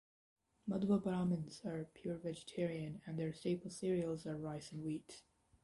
Madhwa Brahmins are pure vegetarian and their staple cereals are rice and wheat.